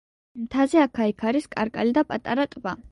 მთაზე აქა-იქ არის კარკალი და პატარა ტბა.